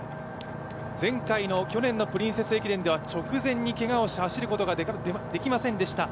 前回の去年のプリンセス駅伝では直前にけがをして走ることができませんでした。